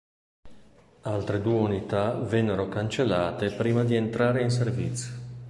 Altre due unità vennero cancellate prima di entrare in servizio.